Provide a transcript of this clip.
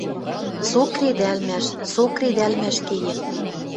Со кредӓлмӓш, со кредӓлмӓш кеен.